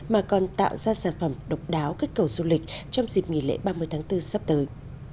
mà còn tạo ra sản phẩm độc đáo kết cầu du lịch trong dịp nghỉ lễ ba mươi tháng bốn sắp tới